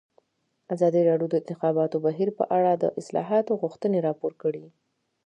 ازادي راډیو د د انتخاباتو بهیر په اړه د اصلاحاتو غوښتنې راپور کړې.